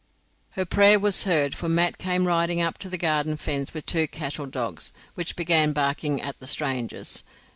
Her prayer was heard, for Mat came riding up to the garden fence with two cattle dogs, which began barking at the strangers.